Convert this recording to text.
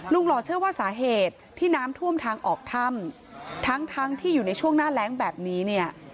หล่อเชื่อว่าสาเหตุที่น้ำท่วมทางออกถ้ำทั้งทั้งที่อยู่ในช่วงหน้าแรงแบบนี้เนี่ย